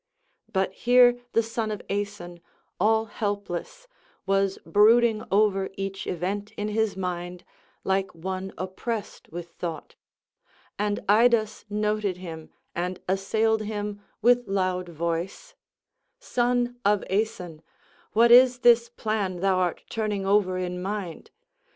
But here the son of Aeson, all helpless, was brooding over each event in his mind, like one oppressed with thought. And Idas noted him and assailed him with loud voice: "Son of Aeson, what is this plan thou art turning over in mind.